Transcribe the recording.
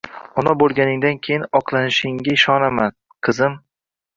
Ona bo`lganingdan keyin oqlanishingga ishonaman, qizim